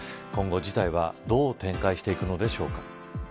今後、事態はどう展開していくのでしょうか。